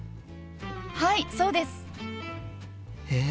はいそうです！へえ。